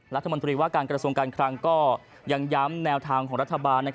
รัฐมนตรีว่าการกระทรวงการคลังก็ยังย้ำแนวทางของรัฐบาล